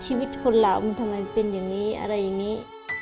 ชีวิตคนไรมันทำให้เป็นอย่างนี้